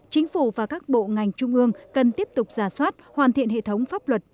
chính phủ và các bộ ngành trung ương cần tiếp tục giả soát hoàn thiện hệ thống pháp luật